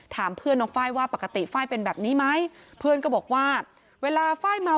ถามเพื่อนน้องไฟล์ว่าปกติไฟล์เป็นแบบนี้ไหมเพื่อนก็บอกว่าเวลาไฟล์เมา